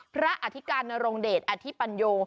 พระอธิการนโรงเดชน์อธิปัญโย